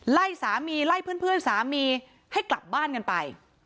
ไล่สามีไล่เพื่อนสามีให้กลับบ้านกันไป